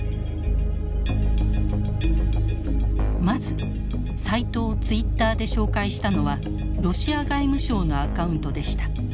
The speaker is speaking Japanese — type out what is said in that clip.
まずサイトをツイッターで紹介したのはロシア外務省のアカウントでした。